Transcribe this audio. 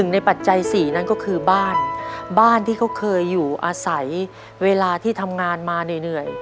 ในปัจจัย๔นั้นก็คือบ้านบ้านที่เขาเคยอยู่อาศัยเวลาที่ทำงานมาเหนื่อย